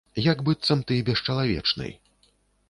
Як быццам ты бесчалавечны.